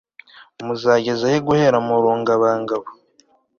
muzageza he guhera mu rungabangabo